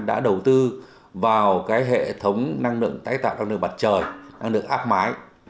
đã đầu tư vào cái hệ thống năng lượng tái tạo năng lượng mặt trời năng lượng áp mái